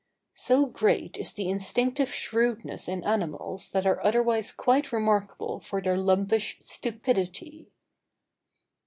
So great is the instinctive shrewdness in animals that are otherwise quite remarkable for their lumpish stupidity.